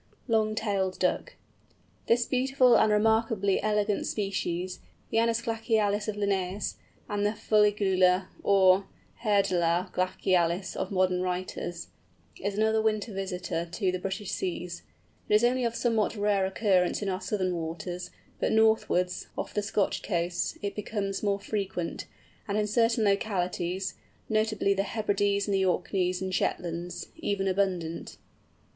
LONG TAILED DUCK. This beautiful and remarkably elegant species, the Anas glacialis of Linnæus, and the Fuligula or Harelda glacialis of modern writers, is another winter visitor to the British seas. It is only of somewhat rare occurrence in our southern waters, but northwards, off the Scotch coasts, it becomes more frequent, and in certain localities—notably the Hebrides, and the Orkneys and Shetlands—even abundant.